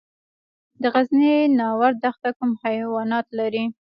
د غزني ناور دښته کوم حیوانات لري؟